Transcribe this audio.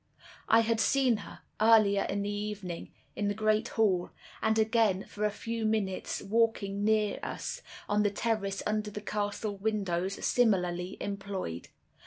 I had seen her, earlier in the evening, in the great hall, and again, for a few minutes, walking near us, on the terrace under the castle windows, similarly employed.